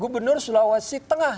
gubernur sulawesi tengah